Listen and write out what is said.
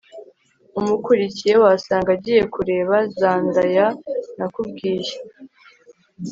umukurikiye wasanga agiye kureba zandaya nakubwiye